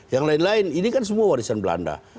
yang lain lain ini kan semua warisan belanda